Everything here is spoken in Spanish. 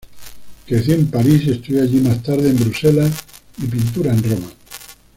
Creció en París y estudió allí, más tarde en Bruselas y pintura en Roma.